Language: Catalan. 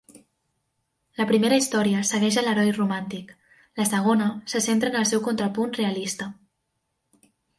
La primera història segueix a l'heroi romàntic, la segona se centra en el seu contrapunt realista.